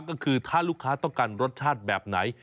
ก็คือถ้าลูกค้าต้องการรสชาติแบบไหน